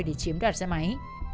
để chiếm đoạt xe máy